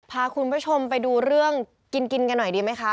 พาคุณผู้ชมไปดูเรื่องกินกันหน่อยดีไหมคะ